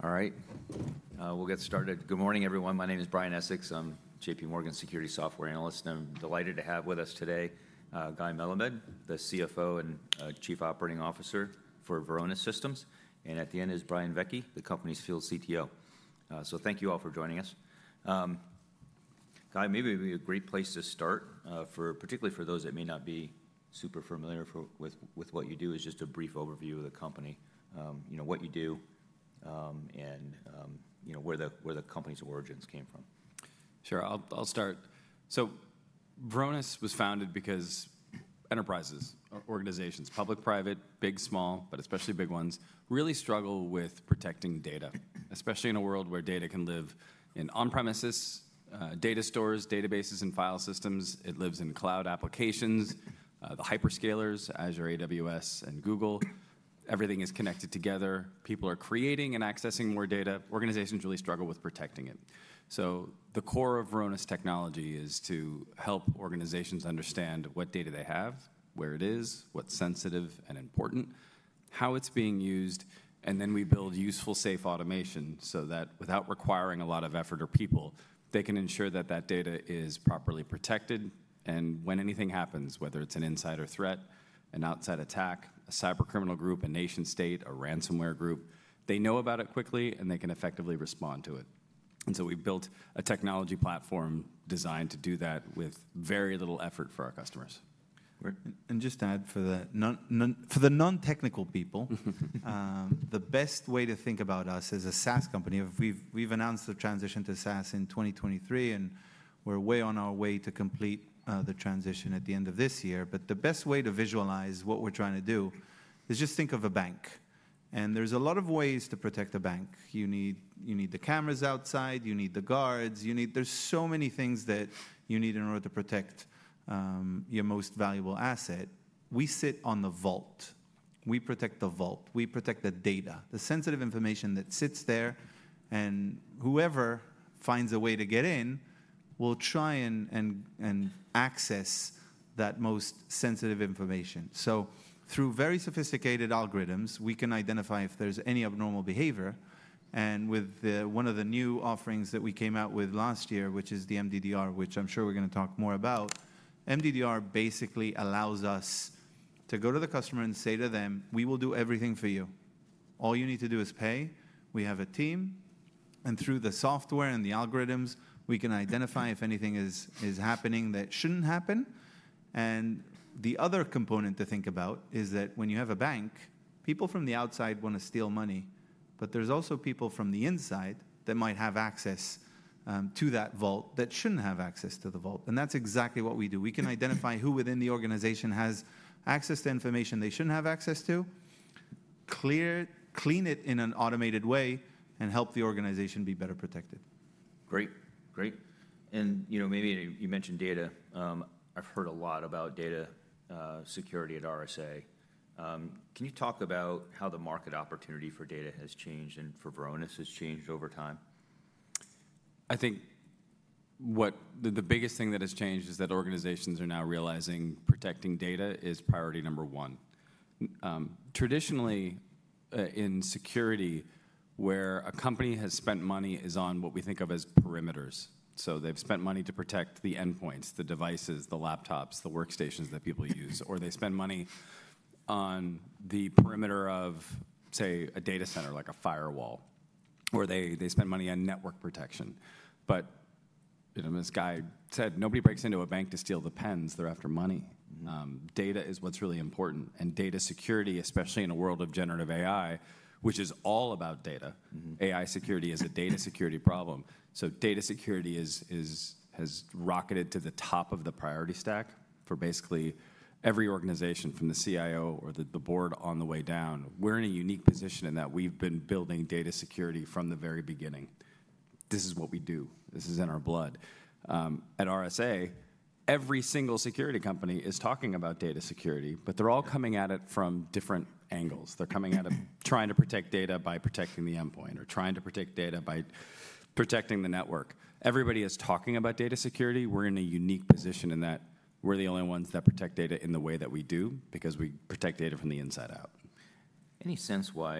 All right, we'll get started. Good morning, everyone. My name is Brian Essex. I'm JPMorgan Security Software Analyst, and I'm delighted to have with us today Guy Melamed, the CFO and Chief Operating Officer for Varonis Systems. At the end is Brian Vecci, the company's Field CTO. Thank you all for joining us. Guy, maybe it'd be a great place to start, particularly for those that may not be super familiar with what you do, is just a brief overview of the company, what you do, and where the company's origins came from. Sure, I'll start. Varonis was founded because enterprises, organizations, public, private, big, small, but especially big ones, really struggle with protecting data, especially in a world where data can live in on-premises data stores, databases, and file systems. It lives in cloud applications, the hyperscalers, Azure, AWS, and Google. Everything is connected together. People are creating and accessing more data. Organizations really struggle with protecting it. The core of Varonis technology is to help organizations understand what data they have, where it is, what's sensitive and important, how it's being used, and then we build useful, safe automation so that without requiring a lot of effort or people, they can ensure that that data is properly protected. When anything happens, whether it's an insider threat, an outside attack, a cybercriminal group, a nation-state, a ransomware group, they know about it quickly, and they can effectively respond to it. We have built a technology platform designed to do that with very little effort for our customers. Just to add, for the non-technical people, the best way to think about us as a SaaS company, we've announced the transition to SaaS in 2023, and we're way on our way to complete the transition at the end of this year. The best way to visualize what we're trying to do is just think of a bank. There are a lot of ways to protect a bank. You need the cameras outside. You need the guards. There are so many things that you need in order to protect your most valuable asset. We sit on the vault. We protect the vault. We protect the data, the sensitive information that sits there. Whoever finds a way to get in will try and access that most sensitive information. Through very sophisticated algorithms, we can identify if there's any abnormal behavior. With one of the new offerings that we came out with last year, which is the MDDR, which I'm sure we're going to talk more about, MDDR basically allows us to go to the customer and say to them, we will do everything for you. All you need to do is pay. We have a team. Through the software and the algorithms, we can identify if anything is happening that should not happen. The other component to think about is that when you have a bank, people from the outside want to steal money. There are also people from the inside that might have access to that vault that should not have access to the vault. That is exactly what we do. We can identify who within the organization has access to information they shouldn't have access to, clean it in an automated way, and help the organization be better protected. Great, great. Maybe you mentioned data. I've heard a lot about data security at RSA. Can you talk about how the market opportunity for data has changed and for Varonis has changed over time? I think the biggest thing that has changed is that organizations are now realizing protecting data is priority number one. Traditionally, in security, where a company has spent money is on what we think of as perimeters. They have spent money to protect the endpoints, the devices, the laptops, the workstations that people use. They spend money on the perimeter of, say, a data center, like a firewall, or they spend money on network protection. As Guy said, nobody breaks into a bank to steal the pens. They are after money. Data is what is really important. Data security, especially in a world of generative AI, which is all about data, AI security is a data security problem. Data security has rocketed to the top of the priority stack for basically every organization, from the CIO or the board on the way down. We're in a unique position in that we've been building data security from the very beginning. This is what we do. This is in our blood. At RSA, every single security company is talking about data security, but they're all coming at it from different angles. They're coming at it trying to protect data by protecting the endpoint or trying to protect data by protecting the network. Everybody is talking about data security. We're in a unique position in that we're the only ones that protect data in the way that we do because we protect data from the inside out. Any sense why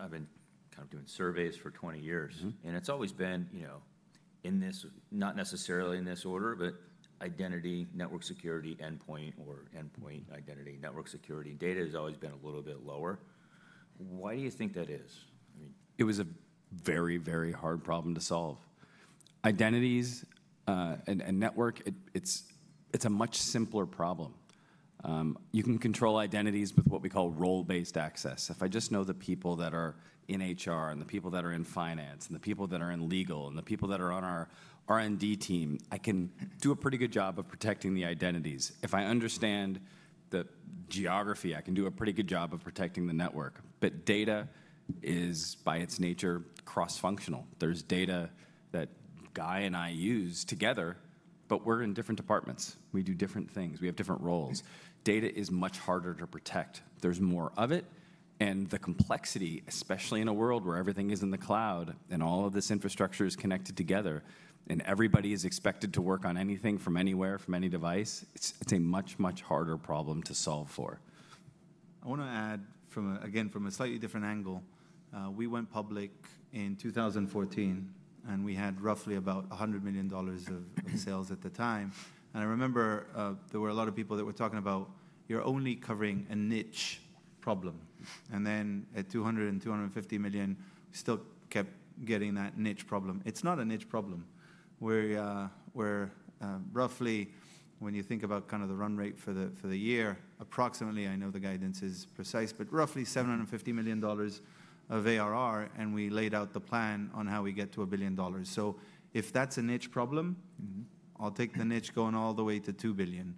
I've been kind of doing surveys for 20 years, and it's always been in this, not necessarily in this order, but identity, network security, endpoint, or endpoint identity, network security, data has always been a little bit lower. Why do you think that is? It was a very, very hard problem to solve. Identities and network, it's a much simpler problem. You can control identities with what we call role-based access. If I just know the people that are in HR and the people that are in finance and the people that are in legal and the people that are on our R&D team, I can do a pretty good job of protecting the identities. If I understand the geography, I can do a pretty good job of protecting the network. Data is, by its nature, cross-functional. There is data that Guy and I use together, but we're in different departments. We do different things. We have different roles. Data is much harder to protect. There is more of it. The complexity, especially in a world where everything is in the cloud and all of this infrastructure is connected together and everybody is expected to work on anything from anywhere, from any device, it's a much, much harder problem to solve for. I want to add, again, from a slightly different angle. We went public in 2014, and we had roughly about $100 million of sales at the time. I remember there were a lot of people that were talking about, you're only covering a niche problem. Then at $200 million and $250 million, we still kept getting that niche problem. It's not a niche problem. We're roughly, when you think about kind of the run rate for the year, approximately, I know the guidance is precise, but roughly $750 million of ARR, and we laid out the plan on how we get to $1 billion. If that's a niche problem, I'll take the niche going all the way to $2 billion.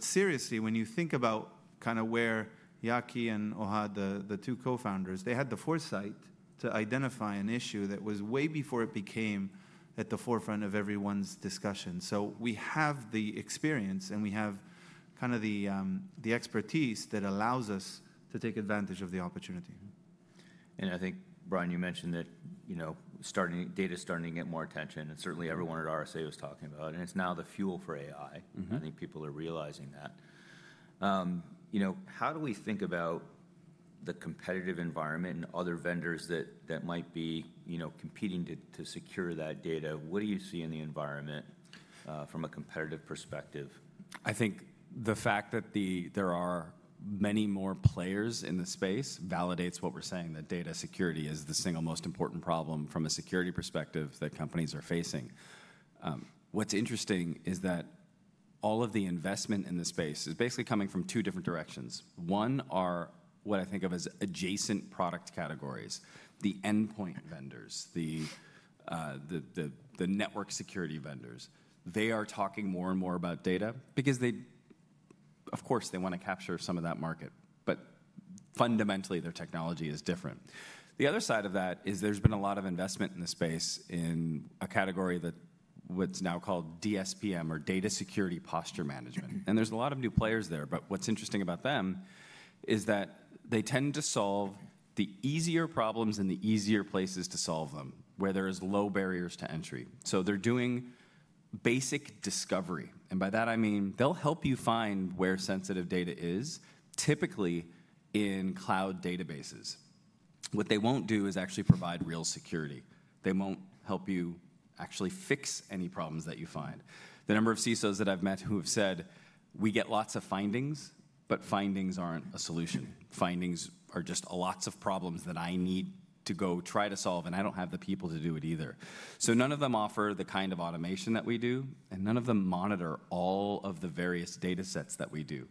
Seriously, when you think about kind of where Yaki and Ohad, the two co-founders, they had the foresight to identify an issue that was way before it became at the forefront of everyone's discussion. We have the experience, and we have kind of the expertise that allows us to take advantage of the opportunity. I think, Brian, you mentioned that data is starting to get more attention, and certainly everyone at RSA was talking about it. It is now the fuel for AI. I think people are realizing that. How do we think about the competitive environment and other vendors that might be competing to secure that data? What do you see in the environment from a competitive perspective? I think the fact that there are many more players in the space validates what we're saying, that data security is the single most important problem from a security perspective that companies are facing. What's interesting is that all of the investment in the space is basically coming from two different directions. One are what I think of as adjacent product categories: the endpoint vendors, the network security vendors. They are talking more and more about data because, of course, they want to capture some of that market. Fundamentally, their technology is different. The other side of that is there's been a lot of investment in the space in a category that's now called DSPM, or Data Security Posture Management. There's a lot of new players there. What's interesting about them is that they tend to solve the easier problems in the easier places to solve them, where there are low barriers to entry. They're doing basic discovery. By that, I mean they'll help you find where sensitive data is, typically in cloud databases. What they won't do is actually provide real security. They won't help you actually fix any problems that you find. The number of CISOs that I've met who have said, we get lots of findings, but findings aren't a solution. Findings are just lots of problems that I need to go try to solve, and I don't have the people to do it either. None of them offer the kind of automation that we do, and none of them monitor all of the various data sets that we do.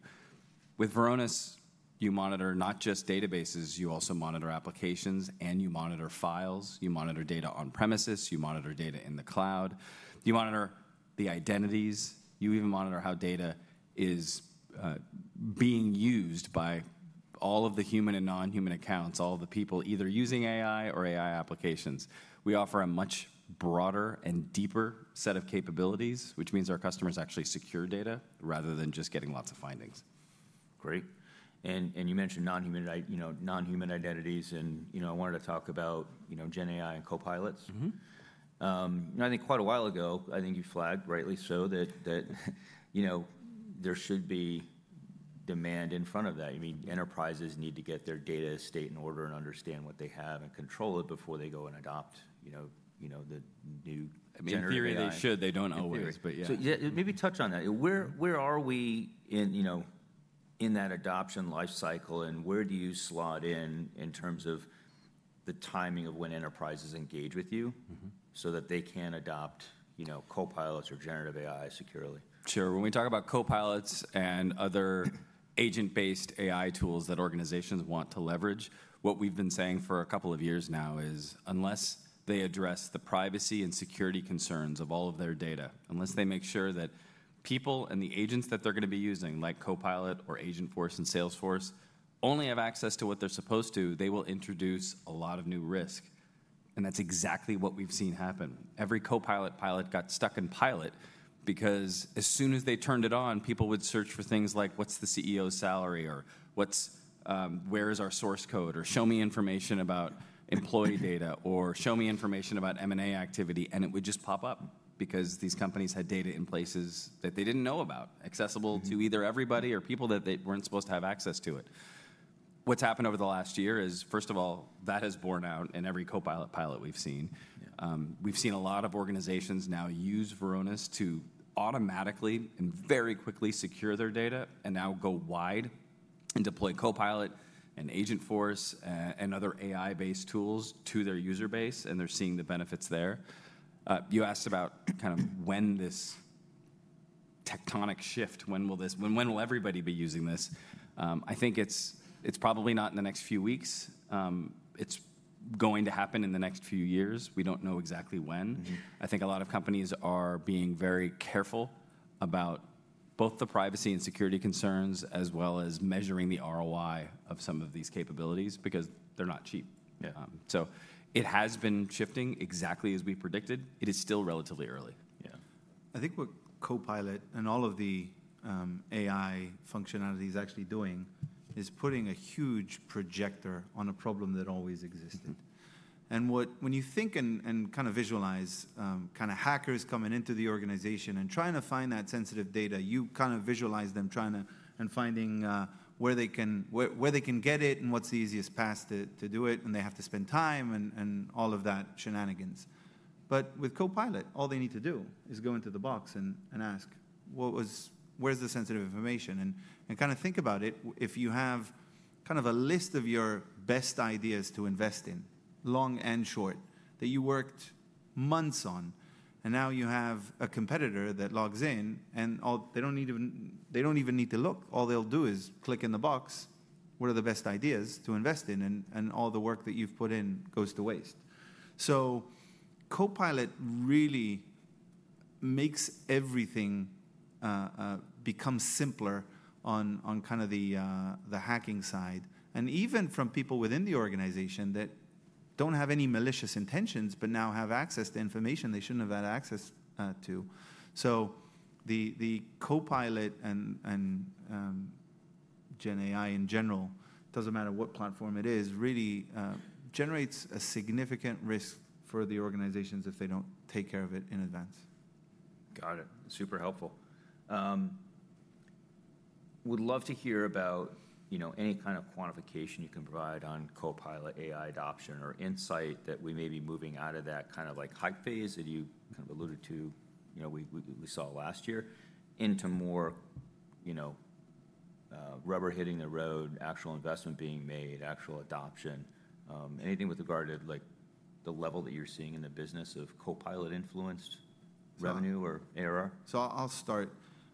With Varonis, you monitor not just databases. You also monitor applications, and you monitor files. You monitor data on premises. You monitor data in the cloud. You monitor the identities. You even monitor how data is being used by all of the human and non-human accounts, all of the people either using AI or AI applications. We offer a much broader and deeper set of capabilities, which means our customers actually secure data rather than just getting lots of findings. Great. You mentioned non-human identities, and I wanted to talk about Gen AI and Copilots. I think quite a while ago, I think you flagged, rightly so, that there should be demand in front of that. You mean enterprises need to get their data state in order and understand what they have and control it before they go and adopt the new generative AI. In theory, they should. They do not always, but yeah. Maybe touch on that. Where are we in that adoption life cycle, and where do you slot in in terms of the timing of when enterprises engage with you so that they can adopt Copilot or generative AI securely? Sure. When we talk about Copilots and other agent-based AI tools that organizations want to leverage, what we've been saying for a couple of years now is unless they address the privacy and security concerns of all of their data, unless they make sure that people and the agents that they're going to be using, like Copilot or Agentforce and Salesforce, only have access to what they're supposed to, they will introduce a lot of new risk. That's exactly what we've seen happen. Every Copilot pilot got stuck in pilot because as soon as they turned it on, people would search for things like, what's the CEO's salary, or where is our source code, or show me information about employee data, or show me information about M&A activity. It would just pop up because these companies had data in places that they did not know about, accessible to either everybody or people that were not supposed to have access to it. What has happened over the last year is, first of all, that has borne out in every Copilot pilot we have seen. We have seen a lot of organizations now use Varonis to automatically and very quickly secure their data and now go wide and deploy Copilot and Agentforce and other AI-based tools to their user base, and they are seeing the benefits there. You asked about kind of when this tectonic shift, when will everybody be using this. I think it is probably not in the next few weeks. It is going to happen in the next few years. We do not know exactly when. I think a lot of companies are being very careful about both the privacy and security concerns as well as measuring the ROI of some of these capabilities because they're not cheap. It has been shifting exactly as we predicted. It is still relatively early. Yeah. I think what Copilot and all of the AI functionality is actually doing is putting a huge projector on a problem that always existed. When you think and kind of visualize kind of hackers coming into the organization and trying to find that sensitive data, you kind of visualize them trying and finding where they can get it and what's the easiest path to do it. They have to spend time and all of that shenanigans. With Copilot, all they need to do is go into the box and ask, where's the sensitive information? Kind of think about it. If you have kind of a list of your best ideas to invest in, long and short, that you worked months on, and now you have a competitor that logs in, and they don't even need to look. All they'll do is click in the box, what are the best ideas to invest in? All the work that you've put in goes to waste. Copilot really makes everything become simpler on kind of the hacking side, and even from people within the organization that don't have any malicious intentions, but now have access to information they shouldn't have had access to. Copilot and Gen AI in general, it doesn't matter what platform it is, really generates a significant risk for the organizations if they don't take care of it in advance. Got it. Super helpful. Would love to hear about any kind of quantification you can provide on Copilot AI adoption or insight that we may be moving out of that kind of hype phase that you kind of alluded to we saw last year into more rubber hitting the road, actual investment being made, actual adoption. Anything with regard to the level that you're seeing in the business of Copilot-influenced revenue or ARR? I'll start.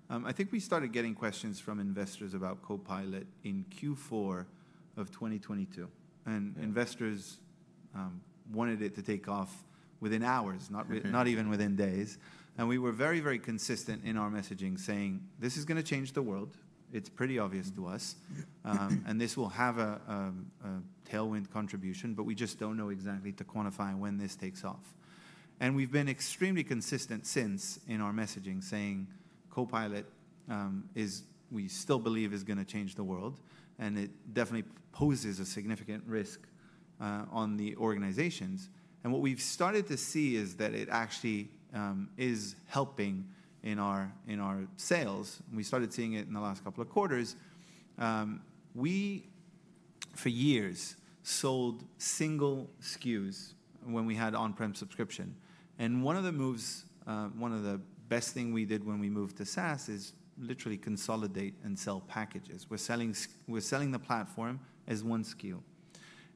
I think we started getting questions from investors about Copilot in Q4 of 2022. Investors wanted it to take off within hours, not even within days. We were very, very consistent in our messaging saying this is going to change the world. It's pretty obvious to us. This will have a tailwind contribution, but we just do not know exactly how to quantify when this takes off. We have been extremely consistent since in our messaging saying Copilot, we still believe, is going to change the world, and it definitely poses a significant risk on the organizations. What we have started to see is that it actually is helping in our sales. We started seeing it in the last couple of quarters. For years, we sold single SKUs when we had on-prem subscription. One of the moves, one of the best things we did when we moved to SaaS is literally consolidate and sell packages. We are selling the platform as one SKU.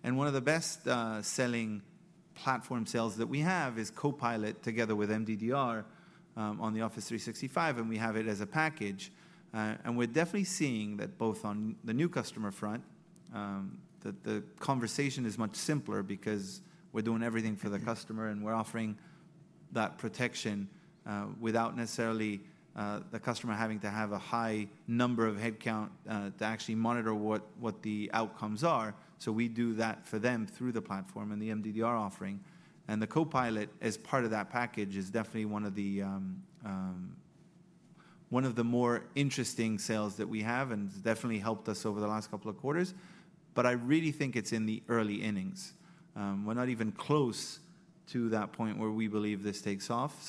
One of the best-selling platform sales that we have is Copilot together with MDDR on the Office 365, and we have it as a package. We are definitely seeing that both on the new customer front, the conversation is much simpler because we are doing everything for the customer, and we are offering that protection without necessarily the customer having to have a high number of headcount to actually monitor what the outcomes are. We do that for them through the platform and the MDDR offering. The Copilot, as part of that package, is definitely one of the more interesting sales that we have and has definitely helped us over the last couple of quarters. I really think it's in the early innings. We're not even close to that point where we believe this takes off.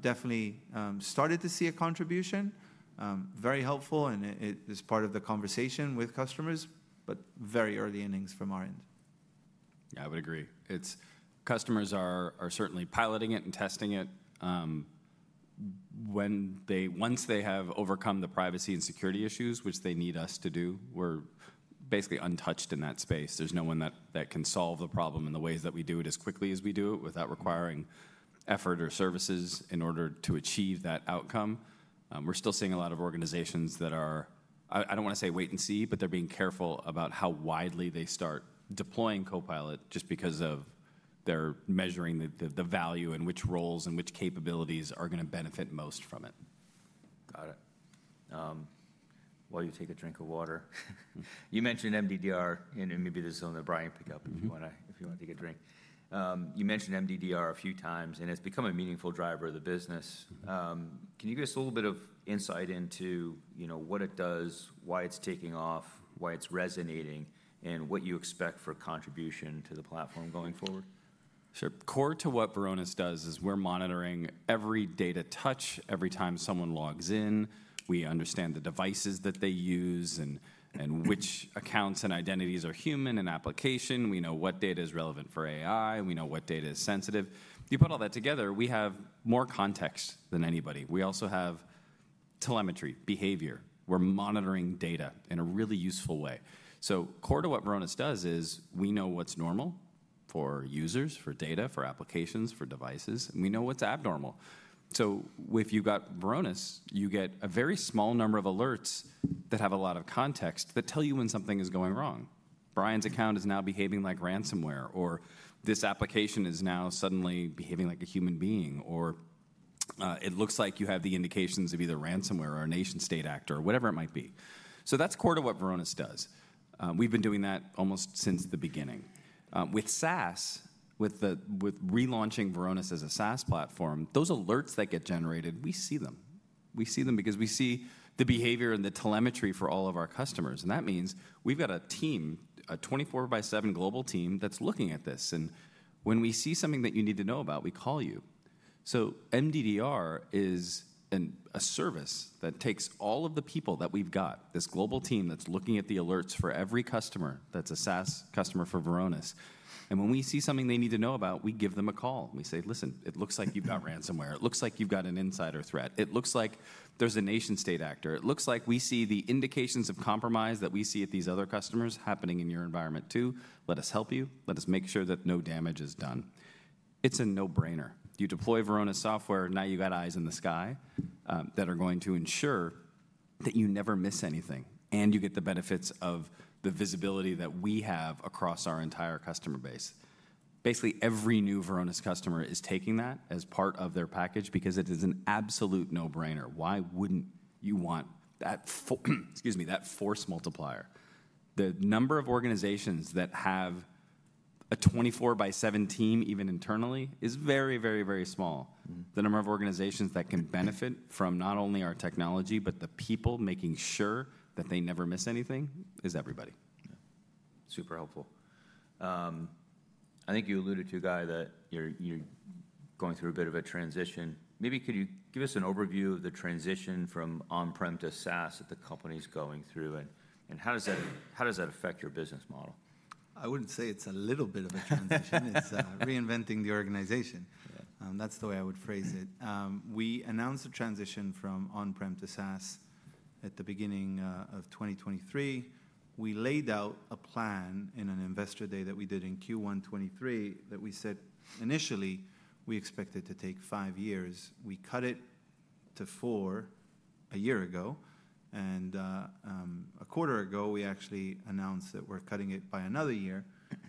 Definitely started to see a contribution. Very helpful, and it is part of the conversation with customers, but very early innings from our end. Yeah, I would agree. Customers are certainly piloting it and testing it. Once they have overcome the privacy and security issues, which they need us to do, we're basically untouched in that space. There's no one that can solve the problem in the ways that we do it as quickly as we do it without requiring effort or services in order to achieve that outcome. We're still seeing a lot of organizations that are, I don't want to say wait and see, but they're being careful about how widely they start deploying Copilot just because they're measuring the value and which roles and which capabilities are going to benefit most from it. Got it. While you take a drink of water, you mentioned MDDR, and maybe this is on the Brian pickup if you want to take a drink. You mentioned MDDR a few times, and it's become a meaningful driver of the business. Can you give us a little bit of insight into what it does, why it's taking off, why it's resonating, and what you expect for contribution to the platform going forward? Sure. Core to what Varonis does is we're monitoring every data touch, every time someone logs in. We understand the devices that they use and which accounts and identities are human and application. We know what data is relevant for AI. We know what data is sensitive. You put all that together, we have more context than anybody. We also have telemetry, behavior. We're monitoring data in a really useful way. Core to what Varonis does is we know what's normal for users, for data, for applications, for devices. We know what's abnormal. If you've got Varonis, you get a very small number of alerts that have a lot of context that tell you when something is going wrong. Brian's account is now behaving like ransomware, or this application is now suddenly behaving like a human being, or it looks like you have the indications of either ransomware or a nation-state actor or whatever it might be. That is core to what Varonis does. We've been doing that almost since the beginning. With SaaS, with relaunching Varonis as a SaaS platform, those alerts that get generated, we see them. We see them because we see the behavior and the telemetry for all of our customers. That means we've got a team, a 24/7 global team that's looking at this. When we see something that you need to know about, we call you. MDDR is a service that takes all of the people that we've got, this global team that's looking at the alerts for every customer that's a SaaS customer for Varonis. When we see something they need to know about, we give them a call. We say, listen, it looks like you've got ransomware. It looks like you've got an insider threat. It looks like there's a nation-state actor. It looks like we see the indications of compromise that we see at these other customers happening in your environment too. Let us help you. Let us make sure that no damage is done. It's a no-brainer. You deploy Varonis software, now you've got eyes in the sky that are going to ensure that you never miss anything, and you get the benefits of the visibility that we have across our entire customer base. Basically, every new Varonis customer is taking that as part of their package because it is an absolute no-brainer. Why wouldn't you want that force multiplier? The number of organizations that have a 24 by 7 team, even internally, is very, very, very small. The number of organizations that can benefit from not only our technology, but the people making sure that they never miss anything is everybody. Super helpful. I think you alluded to, Guy, that you're going through a bit of a transition. Maybe could you give us an overview of the transition from on-prem to SaaS that the company's going through, and how does that affect your business model? I wouldn't say it's a little bit of a transition. It's reinventing the organization. That's the way I would phrase it. We announced a transition from on-prem to SaaS at the beginning of 2023. We laid out a plan in an investor day that we did in Q1 2023 that we said initially we expected to take five years. We cut it to four a year ago. A quarter ago, we actually announced that we're cutting it by another year,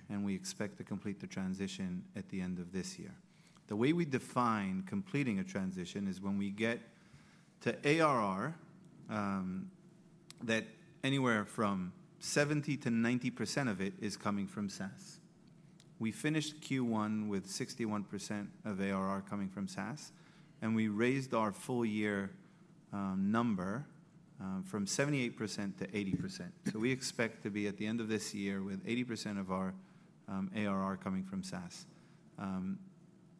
and we expect to complete the transition at the end of this year. The way we define completing a transition is when we get to ARR, that anywhere from 70%-90% of it is coming from SaaS. We finished Q1 with 61% of ARR coming from SaaS, and we raised our full-year number from 78%-80%. We expect to be at the end of this year with 80% of our ARR coming from SaaS.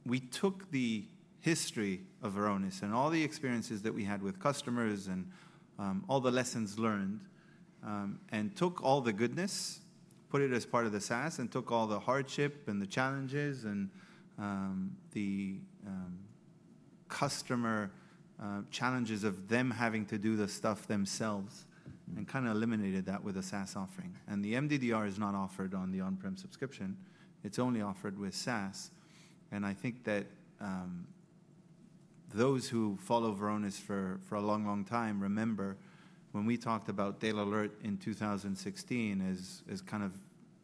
We took the history of Varonis and all the experiences that we had with customers and all the lessons learned and took all the goodness, put it as part of the SaaS, and took all the hardship and the challenges and the customer challenges of them having to do the stuff themselves and kind of eliminated that with a SaaS offering. The MDDR is not offered on the on-prem subscription. It is only offered with SaaS. I think that those who follow Varonis for a long, long time remember when we talked about DatAlert in 2016 as kind of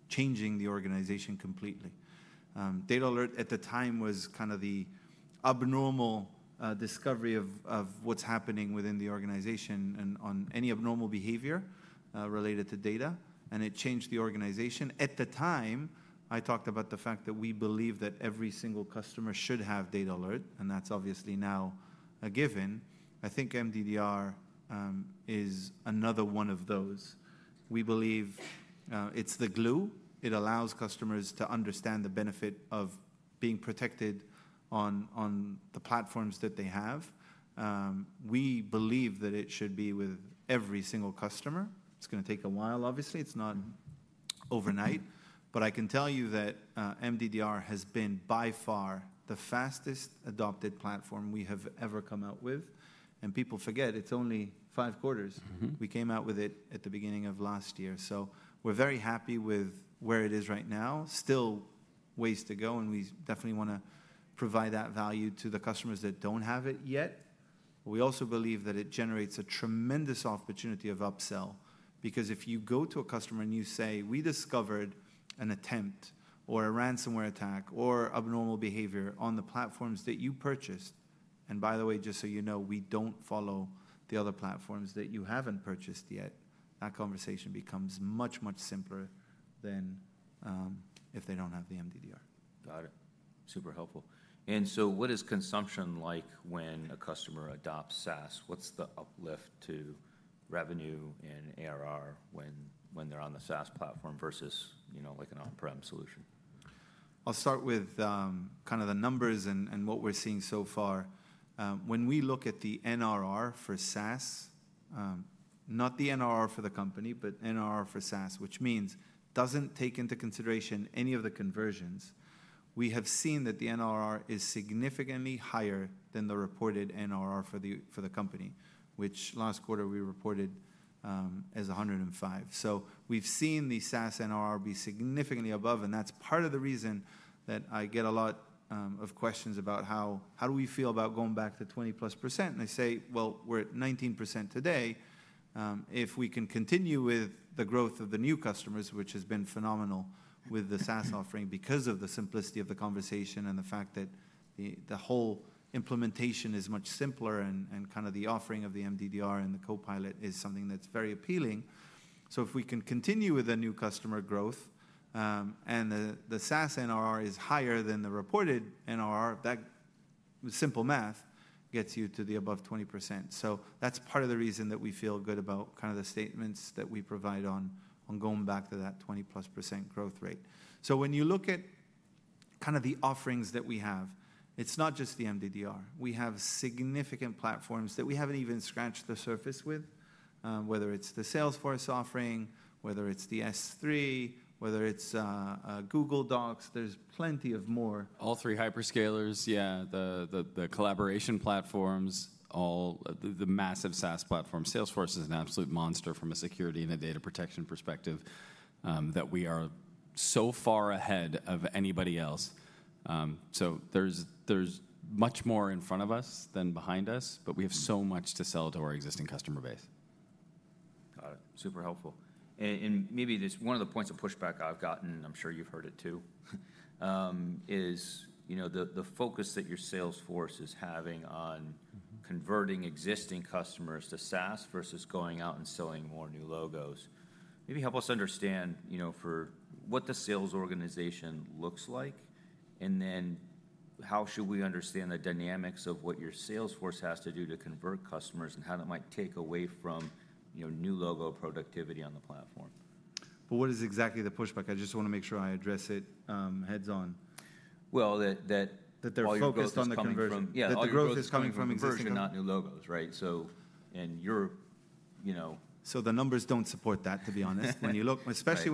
changing the organization completely. DatAlert at the time was kind of the abnormal discovery of what's happening within the organization and on any abnormal behavior related to data, and it changed the organization. At the time, I talked about the fact that we believe that every single customer should have DatAlert, and that's obviously now a given. I think MDDR is another one of those. We believe it's the glue. It allows customers to understand the benefit of being protected on the platforms that they have. We believe that it should be with every single customer. It's going to take a while, obviously. It's not overnight. I can tell you that MDDR has been by far the fastest adopted platform we have ever come out with. People forget, it's only five quarters. We came out with it at the beginning of last year. We are very happy with where it is right now. Still ways to go, and we definitely want to provide that value to the customers that do not have it yet. We also believe that it generates a tremendous opportunity of upsell because if you go to a customer and you say, we discovered an attempt or a ransomware attack or abnormal behavior on the platforms that you purchased, and by the way, just so you know, we do not follow the other platforms that you have not purchased yet, that conversation becomes much, much simpler than if they do not have the MDDR. Got it. Super helpful. What is consumption like when a customer adopts SaaS? What's the uplift to revenue and ARR when they're on the SaaS platform versus like an on-prem solution? I'll start with kind of the numbers and what we're seeing so far. When we look at the NRR for SaaS, not the NRR for the company, but NRR for SaaS, which means it doesn't take into consideration any of the conversions, we have seen that the NRR is significantly higher than the reported NRR for the company, which last quarter we reported as 105%. We have seen the SaaS NRR be significantly above, and that's part of the reason that I get a lot of questions about how do we feel about going back to 20% plus. They say, we're at 19% today. If we can continue with the growth of the new customers, which has been phenomenal with the SaaS offering because of the simplicity of the conversation and the fact that the whole implementation is much simpler and kind of the offering of the MDDR and the Copilot is something that's very appealing. If we can continue with the new customer growth and the SaaS NRR is higher than the reported NRR, that simple math gets you to the above 20%. That's part of the reason that we feel good about kind of the statements that we provide on going back to that 20% plus growth rate. When you look at kind of the offerings that we have, it's not just the MDDR. We have significant platforms that we haven't even scratched the surface with, whether it's the Salesforce offering, whether it's the S3, whether it's Google Docs. There's plenty of more. All three hyperscalers, yeah, the collaboration platforms, all the massive SaaS platforms. Salesforce is an absolute monster from a security and a data protection perspective that we are so far ahead of anybody else. There is much more in front of us than behind us, but we have so much to sell to our existing customer base. Got it. Super helpful. Maybe one of the points of pushback I've gotten, and I'm sure you've heard it too, is the focus that your Salesforce is having on converting existing customers to SaaS versus going out and selling more new logos. Maybe help us understand what the sales organization looks like, and then how should we understand the dynamics of what your Salesforce has to do to convert customers and how that might take away from new logo productivity on the platform? What is exactly the pushback? I just want to make sure I address it heads on. They’re focused on the conversion. Yeah, that the growth is coming from existing. They're pushing not new logos, right? So. The numbers do not support that, to be honest. Especially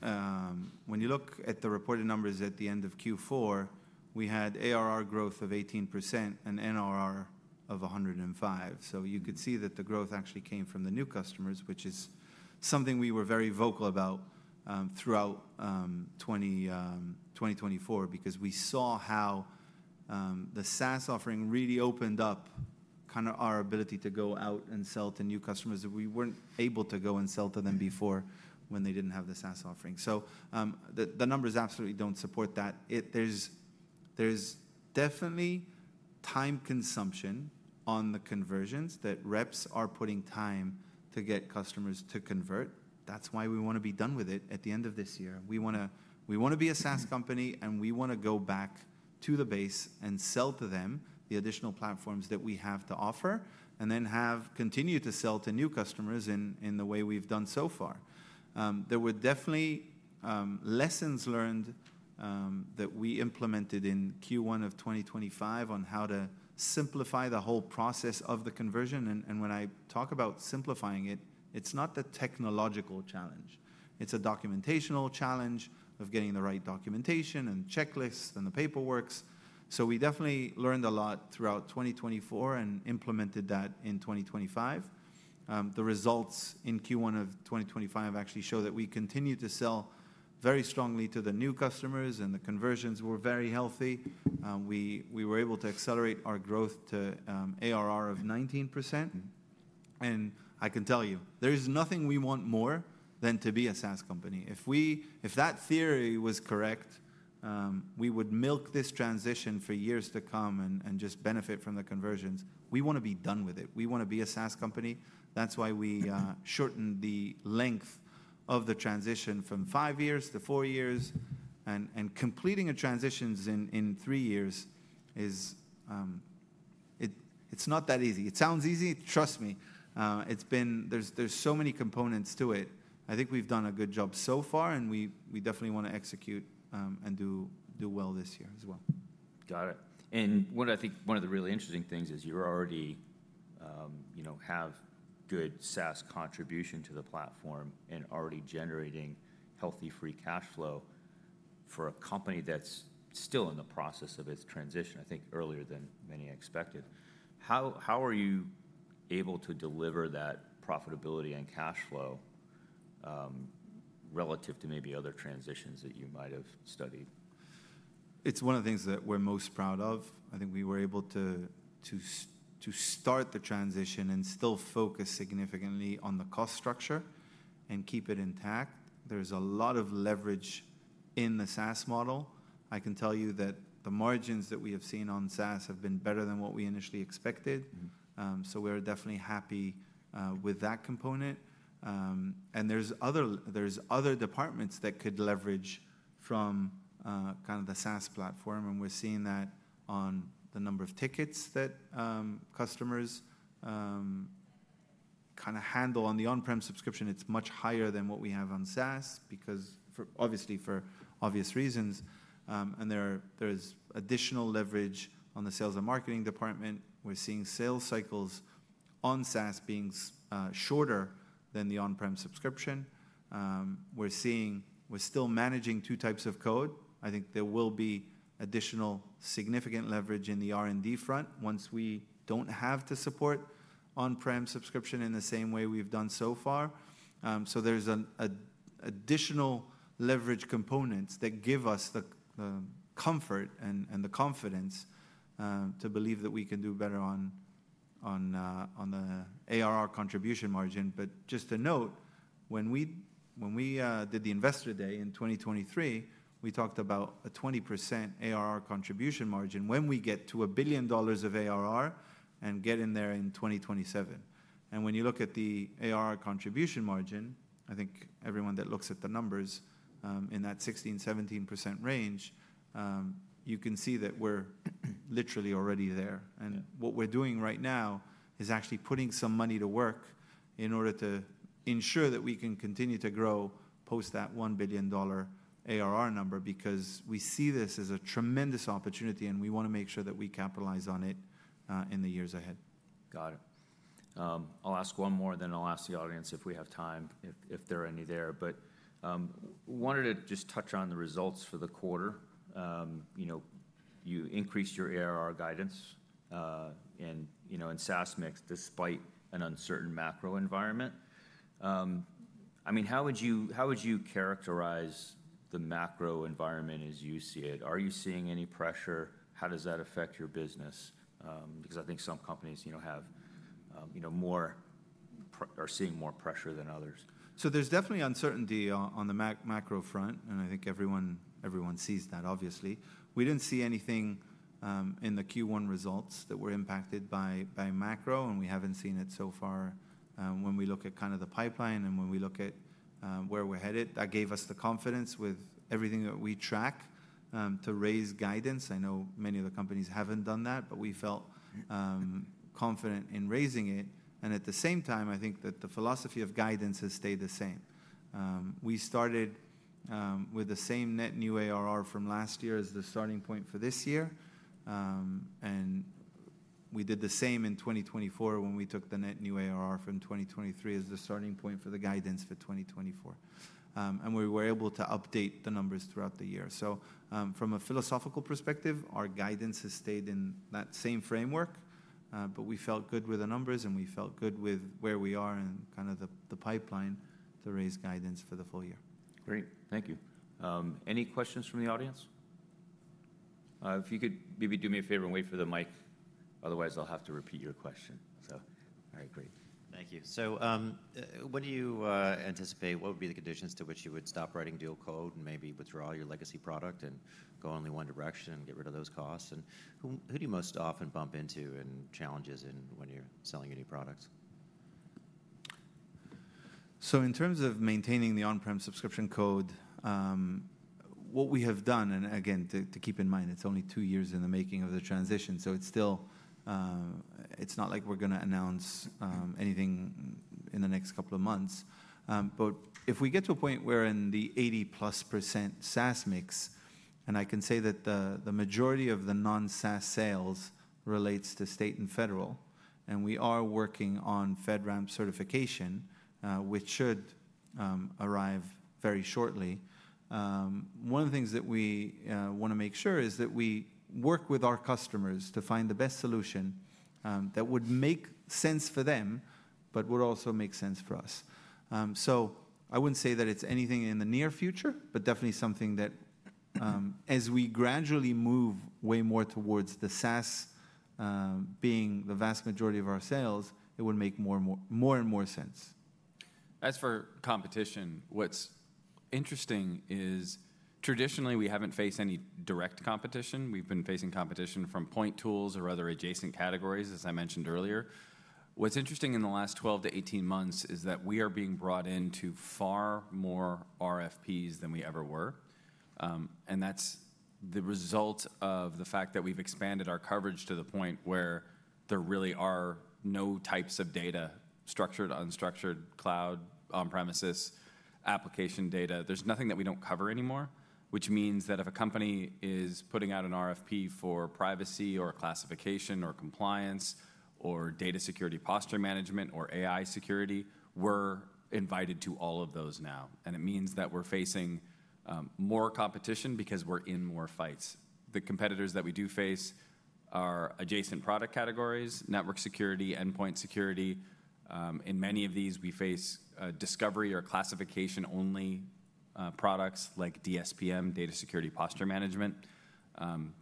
when you look at the reported numbers at the end of Q4, we had ARR growth of 18% and NRR of 105%. You could see that the growth actually came from the new customers, which is something we were very vocal about throughout 2024 because we saw how the SaaS offering really opened up kind of our ability to go out and sell to new customers that we were not able to go and sell to before when they did not have the SaaS offering. The numbers absolutely do not support that. There is definitely time consumption on the conversions that reps are putting time to get customers to convert. That is why we want to be done with it at the end of this year. We want to be a SaaS company, and we want to go back to the base and sell to them the additional platforms that we have to offer and then continue to sell to new customers in the way we've done so far. There were definitely lessons learned that we implemented in Q1 of 2025 on how to simplify the whole process of the conversion. When I talk about simplifying it, it's not the technological challenge. It's a documentational challenge of getting the right documentation and checklists and the paperwork. We definitely learned a lot throughout 2024 and implemented that in 2025. The results in Q1 of 2025 actually show that we continue to sell very strongly to the new customers, and the conversions were very healthy. We were able to accelerate our growth to ARR of 19%. I can tell you, there is nothing we want more than to be a SaaS company. If that theory was correct, we would milk this transition for years to come and just benefit from the conversions. We want to be done with it. We want to be a SaaS company. That is why we shortened the length of the transition from five years to four years. Completing a transition in three years, it is not that easy. It sounds easy. Trust me. There are so many components to it. I think we have done a good job so far, and we definitely want to execute and do well this year as well. Got it. I think one of the really interesting things is you already have good SaaS contribution to the platform and already generating healthy free cash flow for a company that's still in the process of its transition, I think earlier than many expected. How are you able to deliver that profitability and cash flow relative to maybe other transitions that you might have studied? It's one of the things that we're most proud of. I think we were able to start the transition and still focus significantly on the cost structure and keep it intact. There's a lot of leverage in the SaaS model. I can tell you that the margins that we have seen on SaaS have been better than what we initially expected. We're definitely happy with that component. There are other departments that could leverage from kind of the SaaS platform, and we're seeing that on the number of tickets that customers kind of handle on the on-prem subscription. It's much higher than what we have on SaaS because, obviously, for obvious reasons. There is additional leverage on the sales and marketing department. We're seeing sales cycles on SaaS being shorter than the on-prem subscription. We're still managing two types of code. I think there will be additional significant leverage in the R&D front once we do not have to support on-prem subscription in the same way we have done so far. There are additional leverage components that give us the comfort and the confidence to believe that we can do better on the ARR contribution margin. Just to note, when we did the investor day in 2023, we talked about a 20% ARR contribution margin when we get to $1 billion of ARR and get in there in 2027. When you look at the ARR contribution margin, I think everyone that looks at the numbers in that 16%-17% range, you can see that we are literally already there. What we are doing right now is actually putting some money to work in order to ensure that we can continue to grow post that $1 billion ARR number because we see this as a tremendous opportunity, and we want to make sure that we capitalize on it in the years ahead. Got it. I'll ask one more, then I'll ask the audience if we have time, if there are any there. I wanted to just touch on the results for the quarter. You increased your ARR guidance in SaaS mix despite an uncertain macro environment. I mean, how would you characterize the macro environment as you see it? Are you seeing any pressure? How does that affect your business? Because I think some companies are seeing more pressure than others. There is definitely uncertainty on the macro front, and I think everyone sees that, obviously. We did not see anything in the Q1 results that were impacted by macro, and we have not seen it so far. When we look at kind of the pipeline and when we look at where we are headed, that gave us the confidence with everything that we track to raise guidance. I know many of the companies have not done that, but we felt confident in raising it. At the same time, I think that the philosophy of guidance has stayed the same. We started with the same net new ARR from last year as the starting point for this year. We did the same in 2024 when we took the net new ARR from 2023 as the starting point for the guidance for 2024. We were able to update the numbers throughout the year. From a philosophical perspective, our guidance has stayed in that same framework, but we felt good with the numbers, and we felt good with where we are and kind of the pipeline to raise guidance for the full year. Great. Thank you. Any questions from the audience? If you could maybe do me a favor and wait for the mic. Otherwise, I'll have to repeat your question. All right, great. Thank you. What do you anticipate? What would be the conditions to which you would stop writing dual code and maybe withdraw your legacy product and go only one direction and get rid of those costs? Who do you most often bump into and challenges when you're selling any products? In terms of maintaining the on-prem subscription code, what we have done, and again, to keep in mind, it's only two years in the making of the transition, it's not like we're going to announce anything in the next couple of months. If we get to a point where in the 80%+ SaaS mix, I can say that the majority of the non-SaaS sales relates to state and federal, and we are working on FedRAMP certification, which should arrive very shortly. One of the things that we want to make sure is that we work with our customers to find the best solution that would make sense for them, but would also make sense for us. I would not say that it is anything in the near future, but definitely something that as we gradually move way more towards the SaaS being the vast majority of our sales, it would make more and more sense. As for competition, what's interesting is traditionally we haven't faced any direct competition. We've been facing competition from point tools or other adjacent categories, as I mentioned earlier. What's interesting in the last 12 months-18 months is that we are being brought into far more RFPs than we ever were. That's the result of the fact that we've expanded our coverage to the point where there really are no types of data—structured, unstructured, cloud, on-premises, application data. There's nothing that we don't cover anymore, which means that if a company is putting out an RFP for privacy or classification or compliance or data security posture management or AI security, we're invited to all of those now. It means that we're facing more competition because we're in more fights. The competitors that we do face are adjacent product categories, network security, endpoint security. In many of these, we face discovery or classification-only products like DSPM, data security posture management.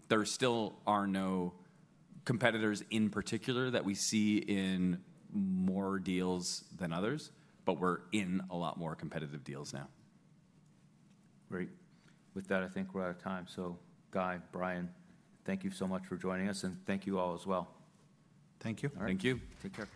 There still are no competitors in particular that we see in more deals than others, but we're in a lot more competitive deals now. Great. With that, I think we're out of time. Guy, Brian, thank you so much for joining us, and thank you all as well. Thank you. Thank you. Take care.